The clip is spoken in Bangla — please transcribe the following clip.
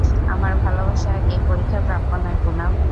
আমার ভালবাসা এই পরীক্ষার প্রাপ্য নয়, পুনাম।